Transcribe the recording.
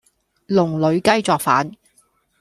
籠裏雞作反